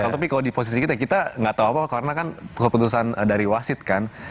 tapi kalau di posisi kita kita nggak tahu apa karena kan keputusan dari wasit kan